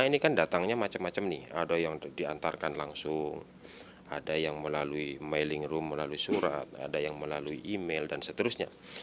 ini kan datangnya macam macam nih ada yang diantarkan langsung ada yang melalui mailing room melalui surat ada yang melalui email dan seterusnya